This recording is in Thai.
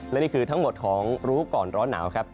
และนี่คือทั้งหมดของรู้ก่อนร้อนหนาวครับ